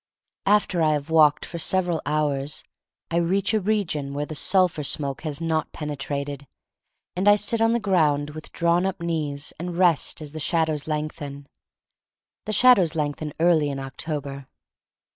*' After I have walked for several hours I reach a region where the sulphur smoke has not penetrated, and I sit on the ground with drawn up knees and rest as the shadows lengthen. The shadows lengthen early in October.